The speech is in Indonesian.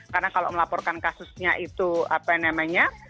karena kalau melaporkan kasusnya itu apa namanya